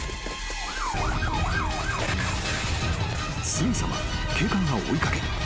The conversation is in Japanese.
［すぐさま警官が追い掛ける］